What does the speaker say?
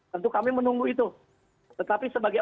tentu kami menunggu itu tetapi sebagai